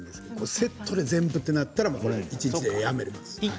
セットで全部となったら一日でやめますよね。